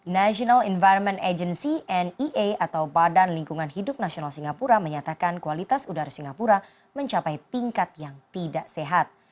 national environment agency nea atau badan lingkungan hidup nasional singapura menyatakan kualitas udara singapura mencapai tingkat yang tidak sehat